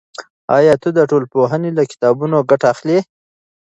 آیا ته د ټولنپوهنې له کتابونو ګټه اخلی؟